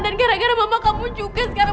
dan gara gara mama kamu juga sekarang